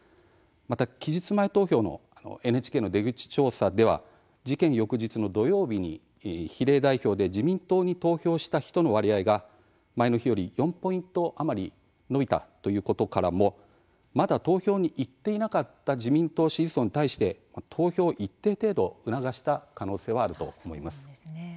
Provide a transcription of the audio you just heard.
また期日前投票のＮＨＫの出口調査では事件翌日の土曜日に比例代表で自民党に投票した人の割合が前の日より４ポイント余り伸びたということからもまだ投票に行っていなかった自民党支持層に対して投票を一定程度、促した可能性はあると思います。